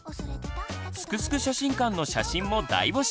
「すくすく写真館」の写真も大募集！